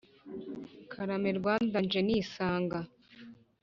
karame rwanda nje nisanga,